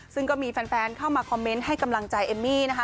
ซึ่งก็มีแฟนเข้ามาคอมเมนต์ให้กำลังใจเอมมี่นะคะ